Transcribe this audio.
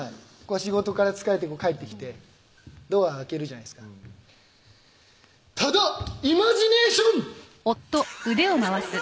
仕事から疲れて帰ってきてドア開けるじゃないですか「ただイマジネーション！」